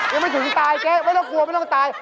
ยังไม่ถึงตายเจ๊ไม่ต้องกลัวไม่ต้องตาย